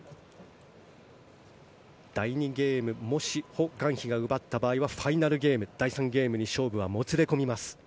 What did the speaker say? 第２ゲームもし、ホ・グァンヒが奪った場合はファイナルゲーム、第３ゲームに勝負はもつれ込みます。